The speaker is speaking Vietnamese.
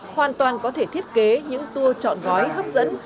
hoàn toàn có thể thiết kế những tour trọn gói hấp dẫn